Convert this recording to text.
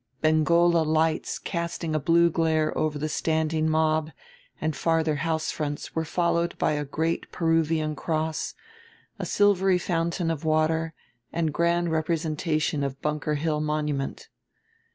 Bengola lights casting a blue glare over the standing mob and farther house fronts were followed by a great Peruvian Cross, a silvery fountain of water and Grand Representation of Bunker Hill Monument.